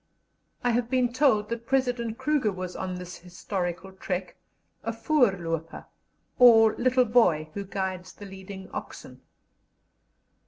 I have been told that President Kruger was on this historical trek, a Voor looper, or little boy who guides the leading oxen.